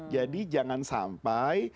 jadi jangan sampai